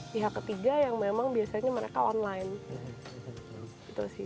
pihak ketiga yang memang biasanya mereka online